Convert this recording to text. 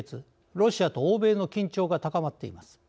ロシアと欧米の緊張が高まっています。